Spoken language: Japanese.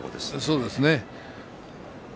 そうですね。